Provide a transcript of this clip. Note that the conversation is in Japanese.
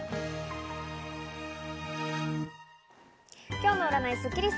今日の占いスッキリす。